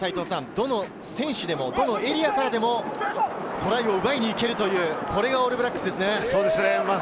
どの選手でもどのエリアからでもトライを奪いに行ける、これがオールブラックスですね。